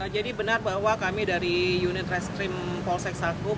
jadi benar bahwa kami dari unit restrim polsek sakopalembang